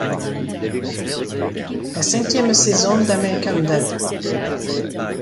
La cinquième saison dAmerican Dad!